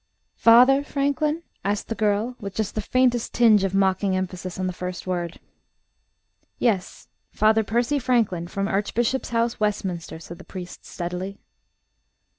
"Father Franklin?" asked the girl, with just the faintest tinge of mocking emphasis on the first word. "Yes. Father Percy Franklin, from Archbishop's House, Westminster," said the priest steadily.